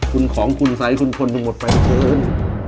คุณของคุณสายคุณคนทุกข์หมดไปเกิน